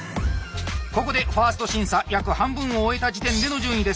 ここで１ｓｔ審査約半分を終えた時点での順位です。